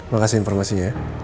makasih informasinya ya